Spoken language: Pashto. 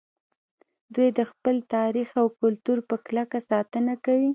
دوی د خپل تاریخ او کلتور په کلکه ساتنه کوي